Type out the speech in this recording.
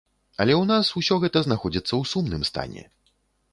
Але ў нас усё гэта знаходзіцца ў сумным стане.